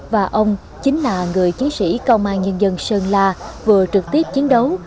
và ông chính là người chiến sĩ công an nhân dân sơn la vừa trực tiếp chiến đấu